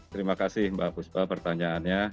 terima kasih mbak buspa pertanyaannya